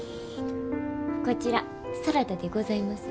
こちらサラダでございます。